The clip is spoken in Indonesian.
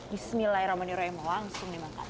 bismillahirrahmanirrahim langsung dimakan